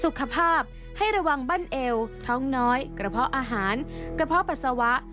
สุขภาพให้ระวังบั้นเอวท้องน้อยกระเพาะอาหารกระเพาะปัสสาวะ